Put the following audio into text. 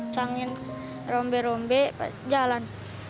sangin rombi rombi jalan